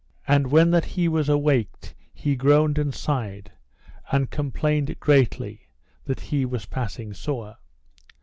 And when that he was awaked he groaned and sighed, and complained greatly that he was passing sore.